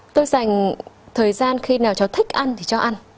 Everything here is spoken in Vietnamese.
tôi dành thời gian khi nào cháu thích ăn thì cháu ăn